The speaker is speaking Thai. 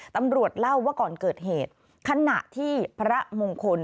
ตำรวจเล่าว่าก่อนเกิดเหตุขณะที่พระมงคล